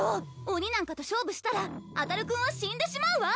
鬼なんかと勝負したらあたる君は死んでしまうわ！